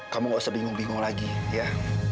kamu gak usah bingung bingung lagi ya